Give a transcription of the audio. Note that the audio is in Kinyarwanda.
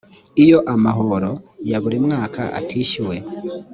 iyo amahoro ya buri mwaka atishyuwe